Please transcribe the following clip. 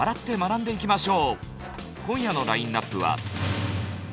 今夜のラインナップは。